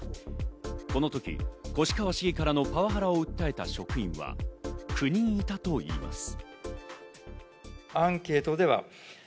このとき越川市議からのパワハラ訴えた職員は９人いたといいます。